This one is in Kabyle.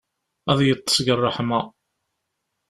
Ad yeṭṭes deg ṛṛeḥma.